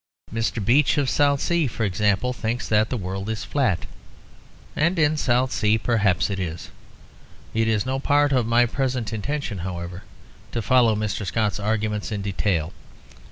Mr. Beach of Southsea, for example, thinks that the world is flat; and in Southsea perhaps it is. It is no part of my present intention, however, to follow Mr. Scott's arguments in detail.